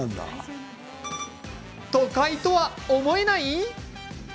都会とは思えない？